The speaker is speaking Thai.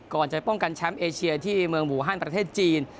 ก่อนจะป้องกันแชมป์เอเชียที่เมืองหมู่ฮันประเทศจีน